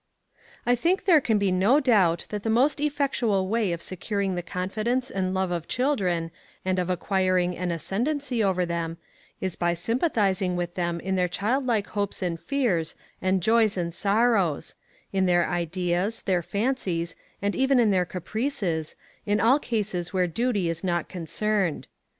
I think there can be no doubt that the most effectual way of securing the confidence and love of children, and of acquiring an ascendency over them, is by sympathizing with them in their child like hopes and fears, and joys and sorrows in their ideas, their fancies, and even in their caprices, in all cases where duty is not concerned.